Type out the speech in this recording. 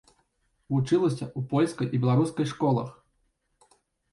Вучылася ў польскай і беларускай школах.